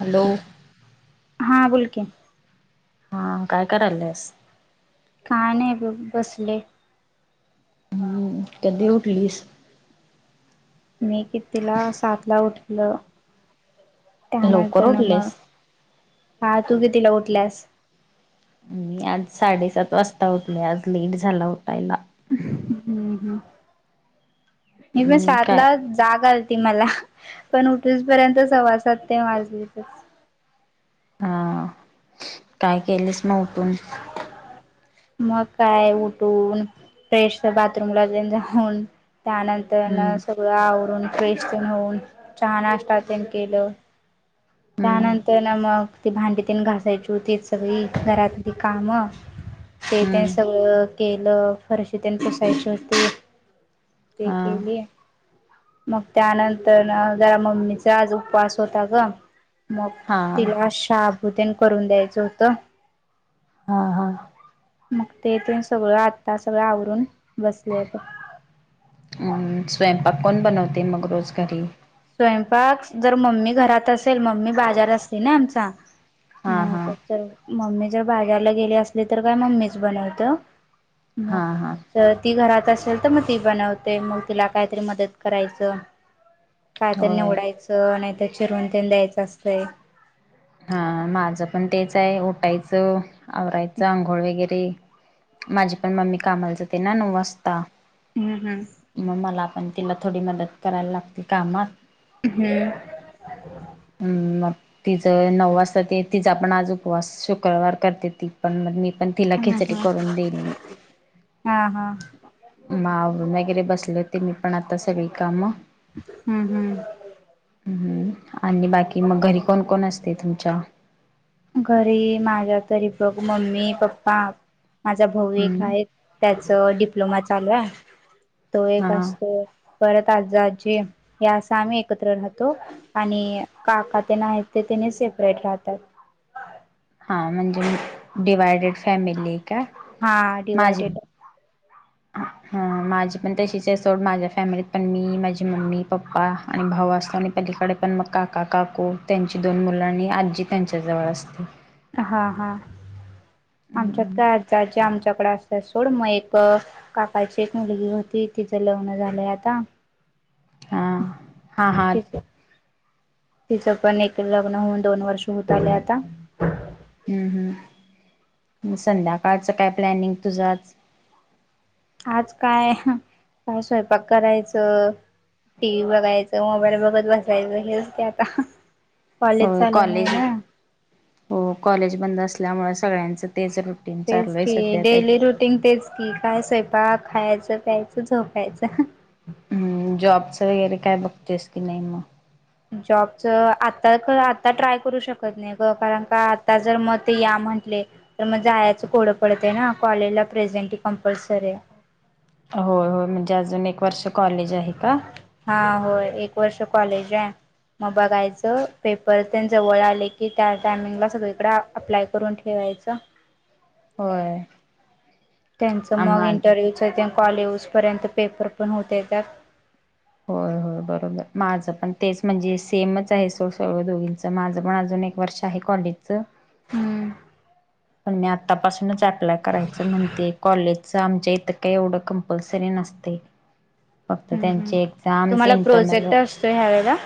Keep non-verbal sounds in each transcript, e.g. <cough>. Hello हा बोलकी हा काय करायस का नाही बसले हम कध उठलीस मी कितीिला सात ला उठलं त्याणारथ लवकर ना मग उठलेस हा तू कितीिला उठल्यास मी आज साडेसात वाजता उठले आज लेट झाला उटायला हे प हम्म साात काय ला जागा मला पण उठून पर्यंत सवासात ते वाजली हा काय केलेस ना उठून मग काय उठून फ्रेश बाथरूम लान जाऊन त्यानंतर हम्म सगळं आवरून फ्रेशन होऊन छान असतातात केलं हम्म त्यानंतर ना मग ती भांडीत घासायची ते सगळी घरातली कामं तेथ हम्म सगळं केलं फरशी त्यांनी पसायची होती ते हा केली मग त्यानंतर जरा मम्मीचा आज उपवास होता ग मग हा तिला शाभूतेन करून द्यायचं होतं हा हा मग तेथ सगळं आता सगळं आवरून बसलेय अम स्वयंपाक कोण बनवते मग रोज घरी ् असल मम्मी बाजार असते ना आमचा हा हा मग च मम्मी जर बाजारला गेली असली तर काय मम्मीच बनवत मग हा हा च ती घरात असेल तर मग ती बनवते मग तिला काहीतरी मदत करायचं कायत नि होय उडायचं नाहीतर चिरून ते द्यायचं असतंय हा माझं पण तेच आहे उठायचं आवरायचं आंघोळ वगैरे माझी पण मम्मी कामालच ते ना नऊ वाजता हम्म हम्म. मग मला पण तिला थोडी मदत करायला लागतील कामात हम्म हम् मग तिचं नऊ वाजता ते तिचा आपण आज उपवास शुक्रवार करते ती पण मग मी पण तिला हम्म खिचडी हम्म करून देईली हा हा. मावरून वगैरे बसले होते मी पण आता सगळी कामं हम्म हम्म हम्म आणि बाकी मग घरी कोण कोण असते तुमच्या घरी माझ्या तरी बघ मम्मी पप्पा माझा भाऊ एक आहे त्याच डिप्लोमा चालू आहे तो एक हां असतो परत आज आजी या अस आम्ही एकत्र राहतो आणि काका ते ना आहेत ते सपरेट राहतात हां म्हणजे डिवायडेड फॅमिली का हा डीवायडेड ह हा माझी पण तशीच आहे सोड माझ्या फॅमिलीत पण मी माझी मम्मी पप्पा आणि भाऊ असतो आणि पलीकडे पण मग काका काकू त्यांची दोन मुलं आणि आजी त्यांच्या जवळ असते हा हा आमच्यात हम्म काय आ आम चकड असत सोड मग एक काकाची एक मुलगी होती तिचं लग्न झालंय आता हा हा हा तिच तिचं पण एक लग्न होऊन, दोन वर्ष होत आले आता. हम्म! संध्याकाळचं काय प्लॅनिंग तुझं आज? आज काय काय, स्वयंपाक करायचं? टी व्ही ब बघायचं, मोबाईल बघत बसायचं हेच कि, आता. कॉलेज होय चालू, नाहीय कॉलेज ना? हो कॉलेज बंद असल्यामुळे सगळ्यांच तेच की डेली रुटीन तेच की, काय स्वयंपाक खायचं . प्यायचं झोपायच. हम्म जॉबचं वगैरे काय बघतेस, की नाही मग? जॉबच आता आता ट्राय करू शकत, ना ही ग कारण का का आता जर मत या मह मग जायचं कोड पडतयं ना कॉलेजला प्रेझेंट कंपल्सरी ये. हो हो म्हणजे, अजून एक वर्ष कॉलेज. आहे का हा होय. एक वर्ष कॉलेज आहे. मग बघायचं पेपर तेन जवळी, आले की त्या टायमिंगला सगळीकडे अप्लाय करून ठेवा <unintelligible> होय. त्यांचं मग आम्हा इंटरव्ह्यूच कॉलेवज पर्यंत पेपर पण होत, येतात. होय. हो बरोबर माझं पण तेच म्हणजे, सेमच आहे. सर्व दोघींच माझं पण अजून एक वर्ष आहे. कॉलेज चं. हम्म पण मी आतापासूनच अप्लाय करायचं, म्हणते कॉलेज <unintelligible> आमच्या इथं, काही एवढं कंपलसरी नसतंय. फक्त हम्म हम्म त्यांचे एक्झाम्स तुम्हाला इंटरनल प्रोजेक्ट असतो ह्यावेेळेला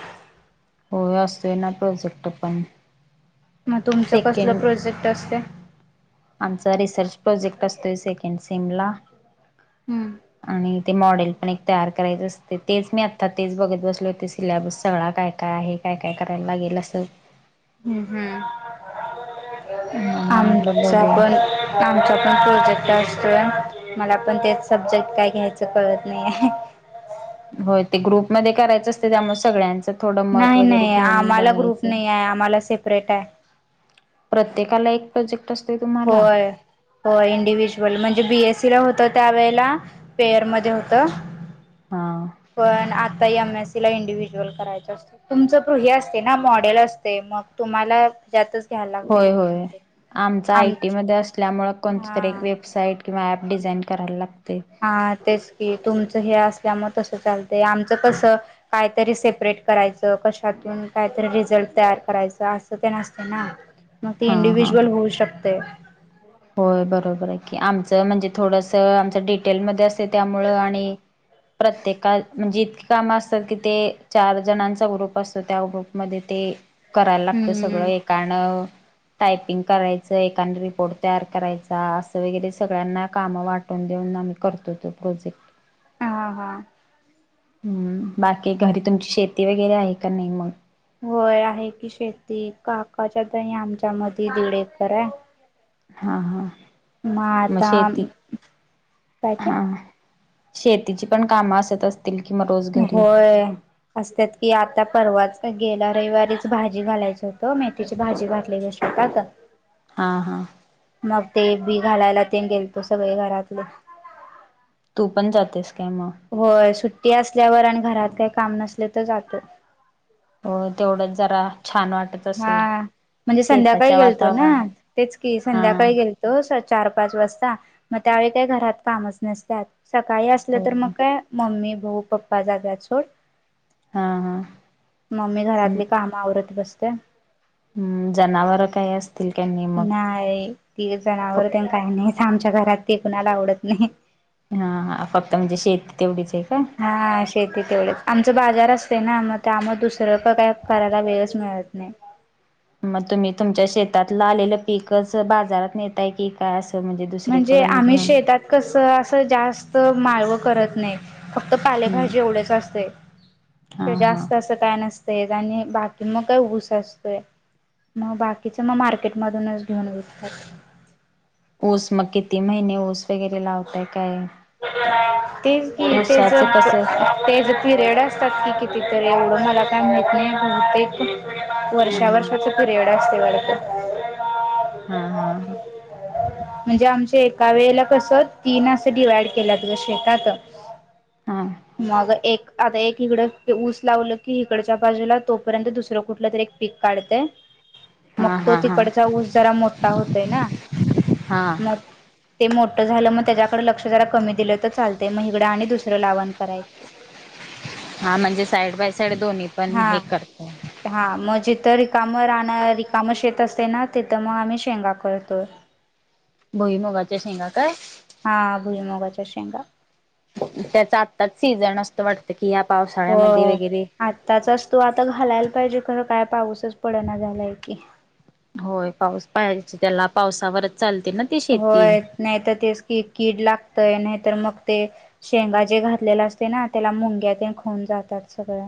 होय, असते ना प्रोजेक्ट पण. मग तुमचं कसलं सेकंड प्रोजेक्ट असतयं? आमचा रिसर्च प्रोजेक्ट असतोय, सेकंड सिम ला हम्म आणि ते मॉडेल पण एक तयार करायचं असतयं. तेच मी आत्ता तेच बघत बसलो होते. सिलेबस सगळा काय काय आहे? काय काय करायला, लागेल असं? हम्म हम्म! मग म्हटलं आमच्या बघूया पण आमच्या प्रोजेक्ट <unintelligible> मला पण, तेच सब्जेक्ट काय घ्यायचं, कळत नाही आहे? होय, ते ग्रुपमध्ये करायचं असतयं, त्यामुळे सगळ्यांचं थोडं मत नाही वगैरे नाही घेऊन आम्हाला ग्रुप बघायचं. नाही आहे आम्हाला सेपरेट आहे प्रत्येकाला एक प्रोजेक्ट असतोय तुम्हाला होय होय, इंडिव्हज्युअल म्हणजे, बीएस <unintelligible> होत त्या वेळेला, पेअर मध्ये होतं, हा पण एम एसी ला इंडिव्हिज्युअल करायचंच, असत तुमचं प्रृहि असते ना मॉडेल असतो. मग तुम्हाला त्यातचं घ्यायला लागते. होय ग्रुप होय. मध्ये <unintelligible> आयटी मध्ये असल्यामुळे, कोणत तरी वेबसाईट किंवा ऍप डिझाईन करायला लागतं. हा तेच, की तुमच हे असल्यामुळे तसं चालतं, आमचं कस काय तरी सेपरेट करायचं कशातून काय? तर रिझल्ट तयार करायचा, असं ते असतं ना. मग ती हा हा इंडिव्हज्युअल होत, शकते. होय! बरोबर आहे. की आमचं म्हणजे, थोडस आमच डिटेल मध्ये असतो. त्यामुळ आणि प्रत्येका म्हणजे इतकी काम असतात. कि ते चार जणांचा ग्रुप असतो, त्या ग्रुपमध्ये ते करायला लागतं, सगळं हम्म एकानं टायपिंग करायचं एकानें रिपोर्ट तयार करायचा, असं वगैरे सगळ्यांना कामं वाटून देऊन आम्ही करतो. तो प्रोजेक्ट. ह हा हम्म! बाकी घरी तुमची शेती वगैरे, आहे का नाही मग? होय आहे की शेती काकाच्या दणी आमच्या मध दीड एकरे. हा हा म शेती काय ते हा. शेतीची पण कामं असत अस होय असतात कि आता परवाच गेला रविवारीच भाजी घालायचं होत मेथीची भाजी घातली ग शेतात. हा हा. मग ते बी घालायला ते गेलतो सगळे घरातले. तू पण जातेस. काय मग होय सुट्टी असल्यावर आणि घरात काही काम नसले त जातो. हो तेवढंच जरा छान वाटत असेल. हा म्हणजे संध्याकाळी शेताच्या गेलतो ना वातावरणात तेच की हा संध्याकाळी गेलतो स्व चार पाच वाजता मग त्यावेळी काही घरात कामच नसतात. सकाळी असलं हो तर मग काय मम्मी, भाऊ, पप्पा जातात सोड. हा हा मम्मी घरातली काम आवरत बसते. हम्म जनावर काय येस. नाय ती फ जनावर त्यां काही नाहीच आमच्या घरात. ते कुणाला आवडत नाही. हा फक्त म्हणजे शेती तेवढीच आहे का हा शेती तेवढंच. आमचं बाजार असते ना, म त्यामुळ दुसरं काय करायला वेळच मिळत नाय. म तुम्ही तुमच्या शेतातला आलेलं पीकच बाजारात नेताय की काय अस. म्हणजे आम्ही शेतात कस असं जास्त माळवं करत नाहीत. फक्त हम्म पालेभाजी एवढेच असतय हा किवा हा जास्त असं काय नसतय. आणि बाकी मग काय ऊस असतोय. मग बाकीच मग मार्केट मधूनच घेऊन घेततात. ऊस मग किती महिने ऊस वगैरे लावताय काय. ते कि ते ऊसाचं कसं ते पीरेड असतात कि ते तर एवढं मला काय माहित नाही बहूतेक हा वर्षा वर्षाच पिरियड असते वाडत. हा हा हा. म्हणजे आमच्या एका वेळेला कस तीन असं डिवाइड केल्यात ग शेतात. हा हा मग एक आता एक इकडं ऊस लावलं की इकडच्या बाजूला तोपर्यंत दुसरं कुठलं तरी एक पीक काढतंय. म हा हा तो हा हा तिकडचा ऊस जरा मोठा होतय ना हा म ते मोठ झालं मग त्याच्याकडे लक्ष जरा कमी दिलं त चालत म हिगड आणि दुसरंलावण करायचे. हा म्हणजे साईड बाय साईड दोन्ही पण हा हे करते. हा मजे तर रिकाम राहणार रिकाम शेत असते ना, तिथं मग आम्ही शेंगा करतो. भोईमुगाच्या शेंगा काय? हा भुईमूगाच्या शेंगा. त्याच आत्ताच सीझन असत वाटते. हो आत्ताचच तू आता घालायला पाहिजे खरं काय? पाऊसच पडना झालाय की. होय पाऊस पाहाजे त्याला पावसावरच चालते ना ती शेती. होय नाही तर तेच कि कीड लाग तय नाहीतर मग ते शेंगा जे घातलेला असते ना, त्याला मुंग्या ते खऊन जातात सगळ्या.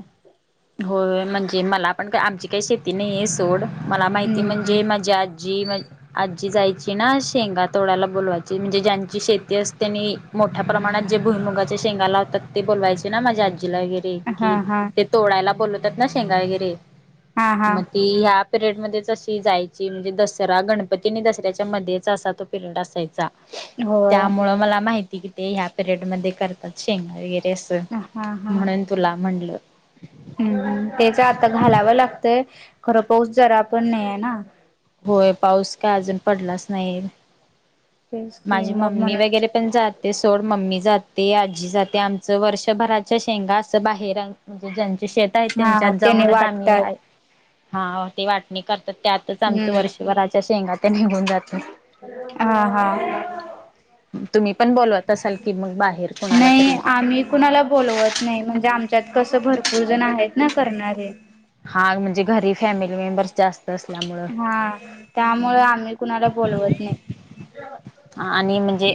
हो म्हणजे मला पण का आमची काही शेती नाहीय सोड. मला माहिती हम्म हम्म. म्हणजे माझी आजी माजी आजी जायची ना शेंगा तोड्याला बोलवायची म्हणजे ज्यांची शेती असतेनी मोठ्या प्रमाणात जे भुई मुगाच्या शेंगा लावतात ते बोलवायचे ना माझ्या आजीला वगैरे हा की हा ते तोडायला बोलवतात ना शेंगा वगिर हा हा मग ती पिरेड मध्येच अशी जायची म्हणजे दसरा गणपती आणि दसऱ्याच्या मध्येच असा तो पिरेयड असायचा होय त्यामुळ मला माहिती कि ते ह्या पिरियड मध्ये करतात शेंगा वैगरे ते हा हा. म्हणून तुला म्हटलं हम्म तेच आता घालावं लागतय खरं पाऊसच जरा पण नाही आहे ना होय पाऊस का अजून पडलाच नाही तेच की माझी मग मम्मी म्हणून वगैरे पण जात ते सोड मम्मी जाते आजी जाते आमचं वर्षभराच्या शेंगा असं बाहेर म्हणजे ज शेत आहे हा त्यांच्यात त्याने जाऊनच आम्ही वाटतात हा ते वाटणी करतात त्यातच आमचं हम्म. वर्षभराच्या शेंगा त्या निघून जातं हा हा तुम्ही पण बोलवत असाल की मग बाहेर कुणाला नाही तरी आम्ही कुणाला बोलवत नाही म्हणजे आम त्यात कसं भरपूर जण आहेत ना करणारे हा म्हणजे घरी फॅमिली मेंबर्स जास्त असल्यामुळं हा त्यामुळे आम्ही कुणाला बोलवत नाही ह आणि म्हणजे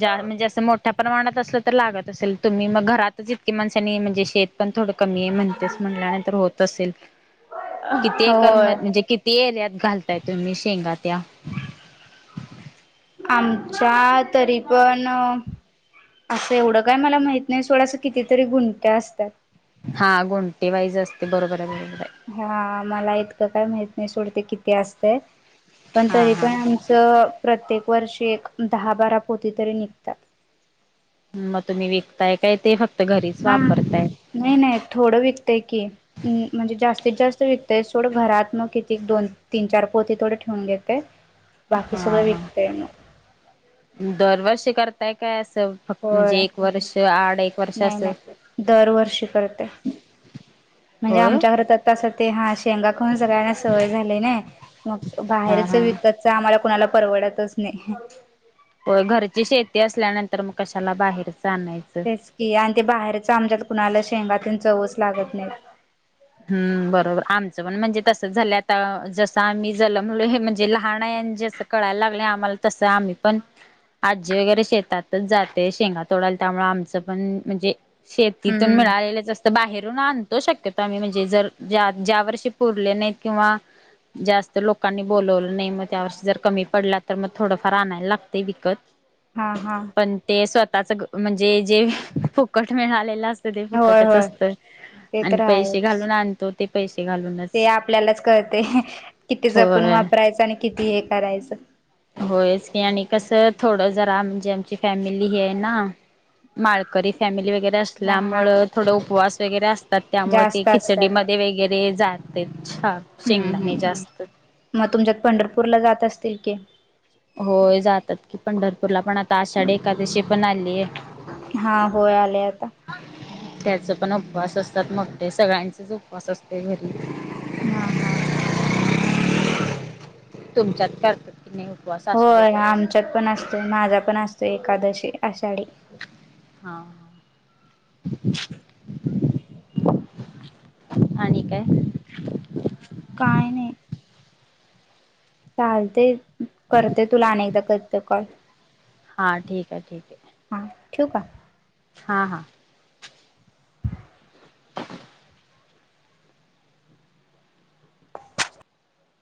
ज म्हणजे असं मोठा प्रमाणात असलं तर लागत असेल तुम्ही मग घरातच इतके माणसांनी म्हणजे शेत पण थोडं कमी आहे म्हणतेस म्हणल्यानंतर होत असेल किती एकर होय म्हणजे किती एरीयात घालताय तुम्ही शेंगा त्या आमच्या तरी पण असं एवढं काय मला माहित नाही सोडास कितीतरी गुंट्या असतात हा गोंटे वाईज असते बरोबर आहे आहे हा मला इत का काय माहत नाही सोडते किती असतय पण हा तरी पण हा आमचं प्रत्येक वर्षी एक दहा बारा पोती तरी निघतात मग तुम्ही विकताय काय ते फक्त घरीच हा वापरताय नाही नाही थोडं विकतंय की म्हणजे जास्त जास्तीत जास्त विकते थोडं घरात मग किती दोन तीन चार पोती थोड ठेवून घेते बाकी हा सगळं हा विकतय मग दरवर्षी करताय काय असं फक्त म्हणजे होय एक वर्ष आड एक वर्ष नाही असं नाही दरवर्षी करते म्हणजे होय आमच्या घर तर तसं ते हा शेंगा खून सगळ्यांना सवय झाली ना मग हा बाहेरच हा विकतच आम्हाला कुणाला परवडतच नाही हो घरची शेती असल्यानंतर मग कशाला बाहेर तेच की आणि ते बाहेरच आमच्यात कुणाला शेंगातून चवच लागत नाहीत हम्म बरोबर आमचं पण म्हणजे तस झालं आता जसं आम्ही जम हे म्हणजे लहान जस कळायला लागले आम्हाला तं आ पण आजी वगैरे शेतातच जाते शेंगा तोडायला त्यामु आमचं पण म्हणजे शेतीतून हम्म मिळालेलेच असत बाहेरून आणतो शक्यत म्हणजे जर ज्या वर्षी पुरले नाही किंवा जास्त लोकांनी बोलवलं नाही मग त्या वर्ष जर कमी पडला तर मग थोडंफार आणायला लागतं हा विकत हा पण ते स्वतःच म्हणजे जे फुकट मिळालेलं असत सध होय फुकटच होय असत ते आणि तर पैसे घालून आणतो ते पैसे ते घालूनच आपल्यालाच कळते किती जपून होय वापरायचं आणि किती हे करायचं होयच नाही आणि कसं थोडं जरा म्हणजे आमची फॅमिली ही आहे ना माळकरी फॅमिली व वगैरे हा हा असल्यामुळं थोडं उपवास वगैरे असतात त्यामुळ ते जास्त असतात खिचडीमध्ये वगैरे जाते छान हम्म शेंगदाणे जास्त हम्म मग तुमच्यात पंढरपूरला जात असतील की होय जातात की पंढरपूरला पण आता आषाढी एखकादशी पण आली आहे हा होय आले आता त्याचा पण उपवास असतात मग ते सगळ्यांचेच उपवास असते घरी हा हा तुमच्यात करत होय आमच्यात पण असतोय माझा पण असतो एकादशी आषाढी हा ठान का आहे काय नाही चालते करते तुला अनेकदा करते कॉल हा ठीक आहे ठीक आहे ठेव का हा हा आइदज्ञभ